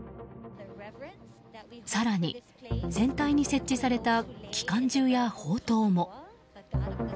更に船体に設置された機関銃や砲塔も。